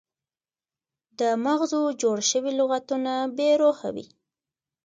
د مغزو جوړ شوي لغتونه بې روحه وي.